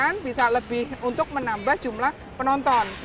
kemudian bisa lebih untuk menambah jumlah penonton